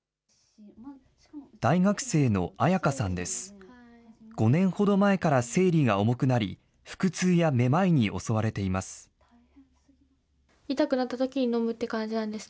大学生のアヤカさんです。